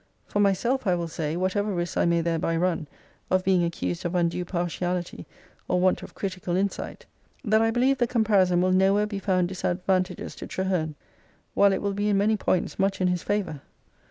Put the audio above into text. For myself I will say, whatever risks I may thereby run of being accused of undue partiality, or want of critical insight, that I believe the compari son will nowhere be found disadvantageous to Traheme, while it will be in many points much in his favour.